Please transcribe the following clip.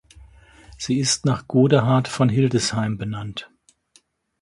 Sie ist nach Godehard von Hildesheim benannt.